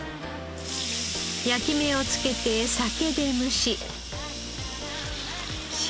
焼き目をつけて酒で蒸し塩